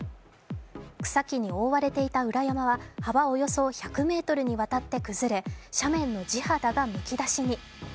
草木に覆われていた裏山は幅およそ１００ｍにわたって崩れ斜面の地肌がむき出しに。